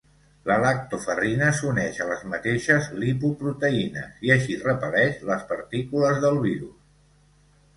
La lactoferrina s'uneix a les mateixes lipoproteïnes i així repel·leix les partícules del virus.